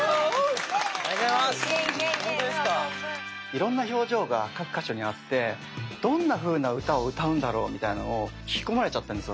いろんな表情が各箇所にあってどんなふうな歌を歌うんだろうみたいなのを引き込まれちゃったんですよ